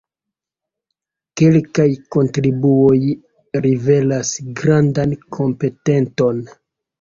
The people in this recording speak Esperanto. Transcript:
Kelkaj kontribuoj rivelas grandan kompetenton.